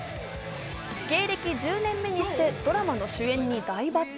芸歴１０年目にして、ドラマの主演に大抜擢。